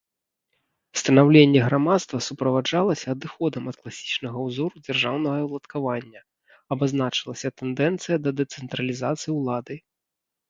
Станаўленне грамадства суправаджалася адыходам ад класічнага ўзору дзяржаўнага ўладкавання, абазначылася тэндэнцыя да дэцэнтралізацыі ўлады.